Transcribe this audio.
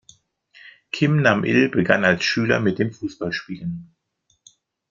Kim Nam-il begann als Schüler mit dem Fußballspielen.